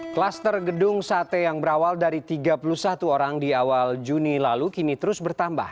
klaster gedung sate yang berawal dari tiga puluh satu orang di awal juni lalu kini terus bertambah